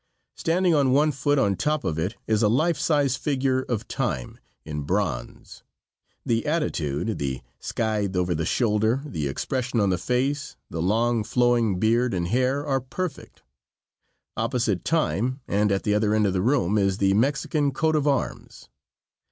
Standing on one foot on top of it is a life size figure of "Time," in bronze. The attitude, the scythe over the shoulder, the expression on the face, the long, flowing beard and hair are perfect. Opposite Time, and at the other end of the room is the Mexican coat of arms.